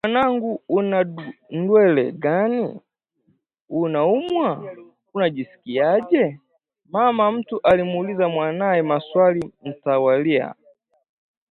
“Mwanangu, una ndwele gani? Unaumwa? Unajisikiaje?” Mama mtu alimwuliza mwanawe maswali mtawalia